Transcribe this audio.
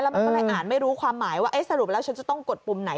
มันก็เลยอ่านไม่รู้ความหมายว่าสรุปแล้วฉันจะต้องกดปุ่มไหน